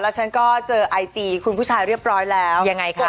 ฉันก็เจอไอจีคุณผู้ชายเรียบร้อยแล้วยังไงคะ